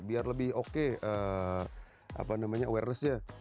biar lebih oke apa namanya wireless nya